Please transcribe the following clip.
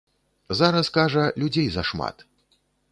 Зараз, кажа, людзей зашмат.